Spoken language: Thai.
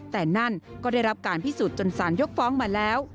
แต่นั่นก็ได้รับการพิสูจน์จนสารยกฟ้องมาแล้ว